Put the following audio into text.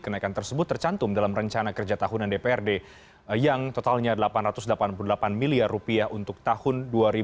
kenaikan tersebut tercantum dalam rencana kerja tahunan dprd yang totalnya rp delapan ratus delapan puluh delapan miliar rupiah untuk tahun dua ribu dua puluh